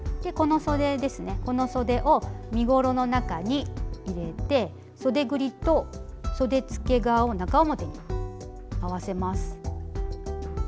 このそでを身ごろの中に入れてそでぐりとそでつけ側を中表に合わせます。